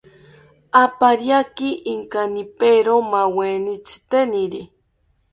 Opariaki inkanipero maaweni tziteniri